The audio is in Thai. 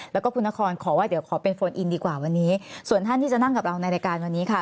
แล้วก็คุณนครขอว่าเดี๋ยวขอเป็นโฟนอินดีกว่าวันนี้ส่วนท่านที่จะนั่งกับเราในรายการวันนี้ค่ะ